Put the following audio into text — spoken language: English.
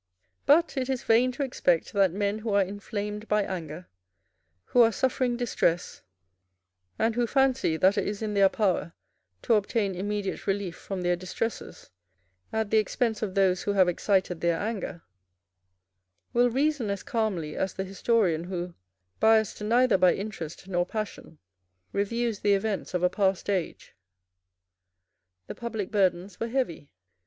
But it is vain to expect that men who are inflamed by anger, who are suffering distress, and who fancy that it is in their power to obtain immediate relief from their distresses at the expense of those who have excited their anger, will reason as calmly as the historian who, biassed neither by interest nor passion, reviews the events of a past age. The public burdens were heavy.